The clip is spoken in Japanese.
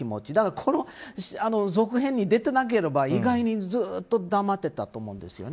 この続編に出てなければ意外にずっと黙ってたと思うんですよね。